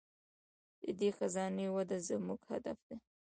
د دې خزانې وده زموږ هدف دی.